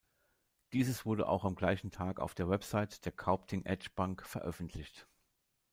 Dieses wurde auch am gleichen Tag auf der Website der Kaupthing Edge Bank veröffentlicht.